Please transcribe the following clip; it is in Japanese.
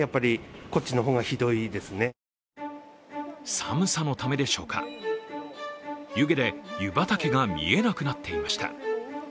寒さのためでしょうか、湯気で湯畑が見えなくなっていました。